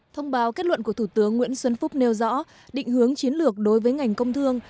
thông báo kết luận của thủ tướng nguyễn xuân phúc nêu rõ định hướng chiến lược đối với ngành công thương